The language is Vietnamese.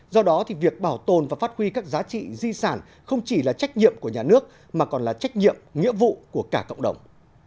do đó thì việc bảo tồn và phát huy các giá trị di sản không chỉ là trách nhiệm của nhà nước mà còn là trách nhiệm nghĩa vụ của cả cộng đồng